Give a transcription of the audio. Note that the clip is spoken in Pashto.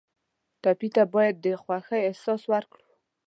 ټپي ته باید د خوښۍ احساس ورکړو.